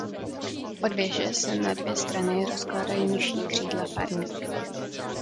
Od věže se na dvě strany rozkládají nižší křídla farní budovy.